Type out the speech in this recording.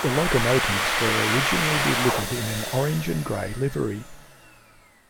The locomotives were originally delivered in an orange and grey livery.